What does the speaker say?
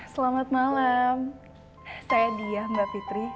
selamat malam saya diah mbak fitri